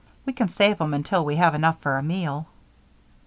We can save 'em until we have enough for a meal."